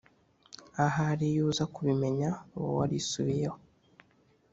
Ahari iy’uza kubimenya uba warisubiyeho